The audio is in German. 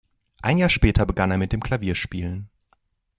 Ein Jahr später begann er mit dem Klavierspielen.